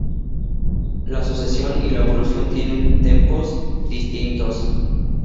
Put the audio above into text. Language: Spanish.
La sucesión y la evolución tienen tempos distintos.